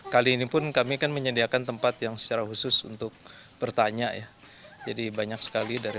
kali ini pun kami kan menyediakan tempat yang secara khusus untuk bertanya ya jadi banyak sekali dari